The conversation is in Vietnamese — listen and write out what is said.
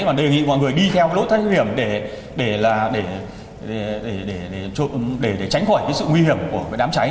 và đề nghị mọi người đi theo lối trách nhiệm để tránh khỏi sự nguy hiểm của đám cháy